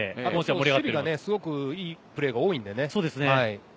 守備がいいプレーが多いのでね。